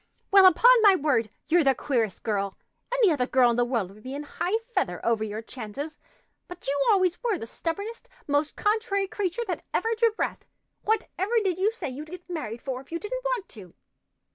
"Well, upon my word! You're the queerest girl! Any other girl in the world would be in high feather over your chances; but you always were the stubbornest, most contrary creature that ever drew breath. Whatever did you say you'd get married for if you didn't want to?"